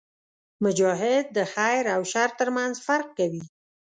مجاهد د خیر او شر ترمنځ فرق کوي.